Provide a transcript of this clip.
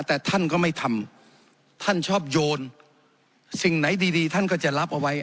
แต่ท่านก็ไม่ทำท่านชอบโยนสิ่งไหนดีท่านก็จะรับเอาไว้